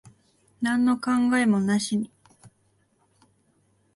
なんの考えもなしに。